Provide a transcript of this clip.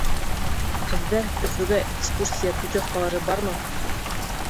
Һеҙҙә Өфөгә экскурсия путевкалары бармы?